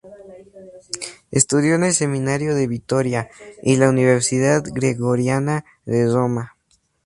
Estudió en el Seminario de Vitoria y la Universidad Gregoriana de Roma.